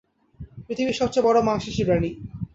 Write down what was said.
পৃথিবীর সবচেয়ে বড় মাংসাশী প্রাণী।